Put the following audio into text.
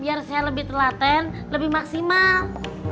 biar saya lebih telaten lebih maksimal